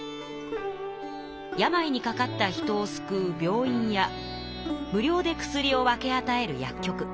病にかかった人を救う病院や無料で薬を分けあたえる薬局。